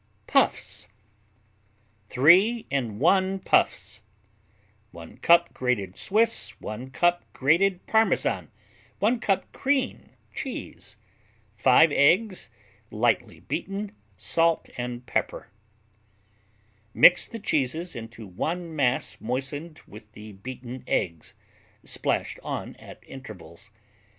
PUFFS Three in One Puffs 1 cup grated Swiss 1 cup grated Parmesan 1 cup cream cheese 5 eggs, lightly beaten salt and pepper Mix the cheeses into one mass moistened with the beaten eggs, splashed on at intervals.